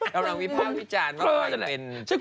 เราต้องวิพาพที่จานว่ากลายเป็นเก๊เป็นเก๊